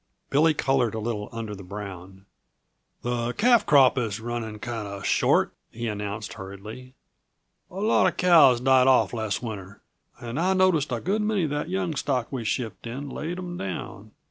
Billy colored a little under the brown. "The calf crop is running kinda short," he announced hurriedly. "A lot uh cows died off last winter, and I noticed a good many uh that young stock we shipped in laid 'em down.